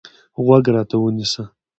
غوږ راته ونیسه.